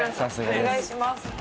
お願いします。